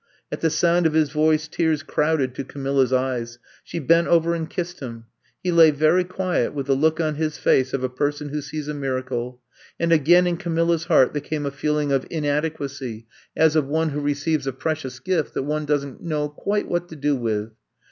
At the sound of his voice, tears crowded to Camilla's eyes. She bent over and kissed him. He lay very quiet with the look on his face of a person who sees a miracle. And again in Camilla's heart there came a feeling of inadequacy as of I'VE COMB TO STAY 153 one who receives a precious gift that one does n't know quite what to do with.